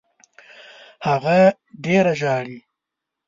هغه ډېره ژاړي.